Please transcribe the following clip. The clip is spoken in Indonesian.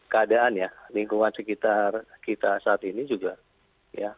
keadaan ya lingkungan sekitar kita saat ini juga ya